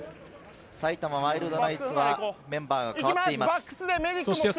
埼玉ワイルドナイツはメンバーが代わっています。